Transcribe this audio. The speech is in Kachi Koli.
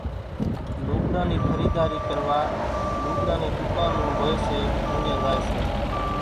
لوڳڙان نِي خريڌاري ڪروا لوڳڙان نِي ڌُڪانون ھوئي سي اُوڃان زائي سي